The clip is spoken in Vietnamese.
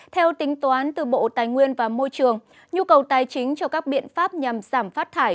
theo tính toán từ bộ tài nguyên và môi trường nhu cầu tài chính cho các biện pháp nhằm giảm phát thải